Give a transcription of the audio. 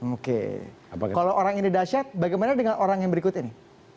oke kalau orang ini dahsyat bagaimana dengan orang yang berikut ini